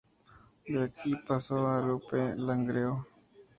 De ahí pasó al U. P. Langreo.